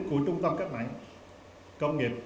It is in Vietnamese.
của trung tâm cách mạng công nghiệp